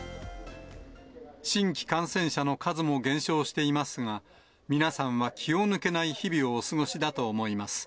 新規感染者の数も減少していますが、皆さんは気を抜けない日々をお過ごしだと思います。